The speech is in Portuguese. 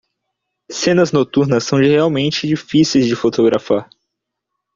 Cenas noturnas são realmente difíceis de fotografar